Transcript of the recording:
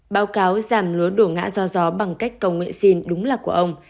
báo cáo giảm lúa đổ ngã gió gió bằng cách cầu nguyện xin đúng là của ông